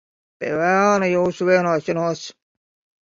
Pie velna jūsu vienošanos.